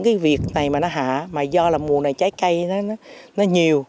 cái việc này mà nó hạ mà do là mùa này trái cây đó